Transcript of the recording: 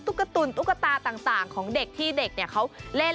กระตุ่นตุ๊กตาต่างของเด็กที่เด็กเขาเล่น